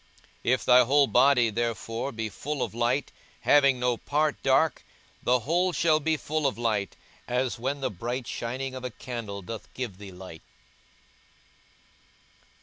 42:011:036 If thy whole body therefore be full of light, having no part dark, the whole shall be full of light, as when the bright shining of a candle doth give thee light.